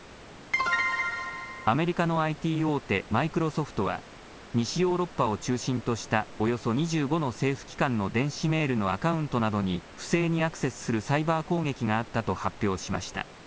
アメリカのＩＴ大手、マイクロソフトは西ヨーロッパを中心としたおよそ２５の政府機関の電子メールのアカウントなどに不正にアクセスするサイバー攻撃があったと発表しました。